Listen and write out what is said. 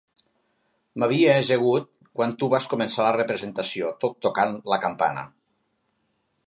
M'havia ajagut quan tu vas començar la representació, tot tocant la campana.